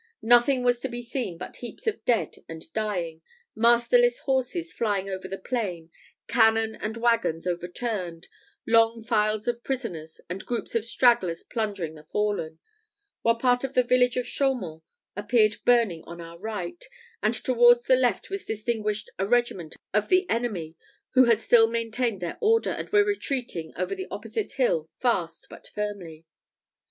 Nothing was to be seen but heaps of dead and dying, masterless horses flying over the plain, cannon and waggons overturned, long files of prisoners, and groups of stragglers plundering the fallen; while part of the village of Chaumont appeared burning on our right, and towards the left was distinguished a regiment of the enemy, who had still maintained their order, and were retreating over the opposite hill, fast but firmly.